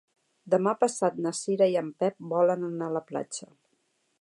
Demà passat na Cira i en Pep volen anar a la platja.